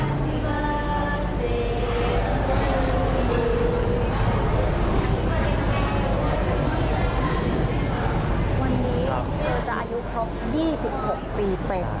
วันนี้พี่จะอายุครบ๒๖ปีเต็ม